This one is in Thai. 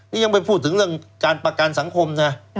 นี่ยังไม่พูดถึงเรื่องการประกันสังคมนะ